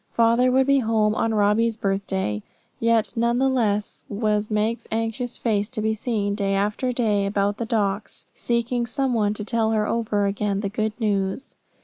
Father would be home on Robbie's birthday; yet none the less was Meg's anxious face to be seen day after day about the docks, seeking someone to tell her over again the good news.